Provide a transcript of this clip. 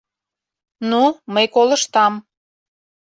Ну, мый колыштам...